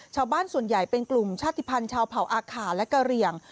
ชาวบ้านส่วนใหญ่เป็นกลุ่มชาติภัณฑ์ชาวเผาอาขาและกะเหลี่ยง